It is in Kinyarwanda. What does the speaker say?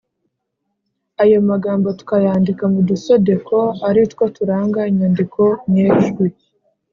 ayo magambo tukayandika mudusodeko ari two turanga inyandiko nyejwi,